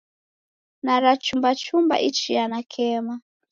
Narachumbachuma ichia nakema.